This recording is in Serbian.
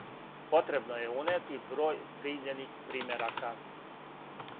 Потребно је унети број примљених примерака!